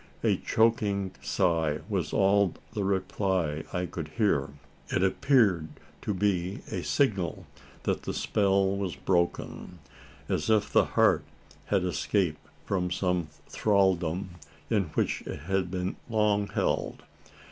A choking sigh was all the reply I could hear. It appeared to be a signal that the spell was broken: as if the heart had escaped from some thraldom in which it had been long held.